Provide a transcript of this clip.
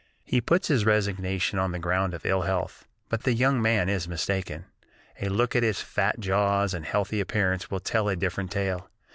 He puts his resignation on the ground of ill health, but the young man is mistaken. A look at his fat jaws and healthy appearance will tell a different tale.